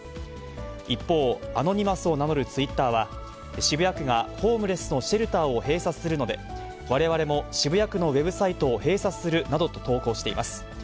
一方、アノニマスを名乗るツイッターは、渋谷区がホームレスのシェルターを閉鎖するので、われわれも渋谷区のウェブサイトを閉鎖するなどと投稿しています。